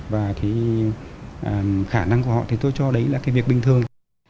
và khả năng của họ thì tôi cho đấy là việc bình thường